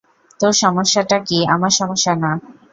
তোর সমস্যাটা কি আমার সমস্যা না?